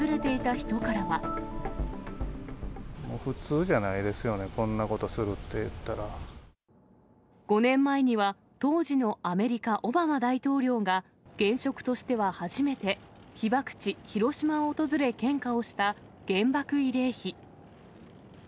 普通じゃないですよね、５年前には、当時のアメリカ、オバマ大統領が現職としては初めて、被爆地、広島を訪れ献花をした原爆慰霊碑。